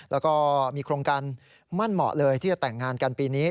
แล้วก็มีโครงการมั่นเหมาะเลยที่จะแต่งงานกันปีนี้